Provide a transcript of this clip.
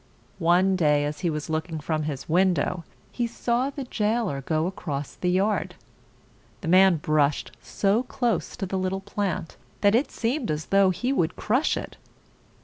One day as he was looking from his window, he saw the jailer go across the yard. The man brushed so close to the little plant, that it seemed as though he would crush it.